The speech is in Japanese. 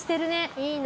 いいね